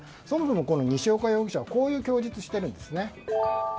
そもそも、西岡容疑者はこういう供述をしているんですね。